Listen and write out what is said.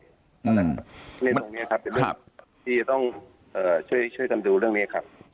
เพราะฉะนั้นตรงนี้ครับเป็นเรื่องที่จะต้องช่วยกันดูเรื่องนี้ครับ